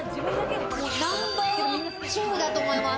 ナンバーワンシェフだと思います。